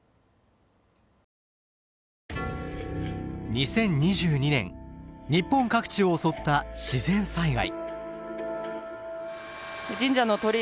２０２２年日本各地を襲った自然災害。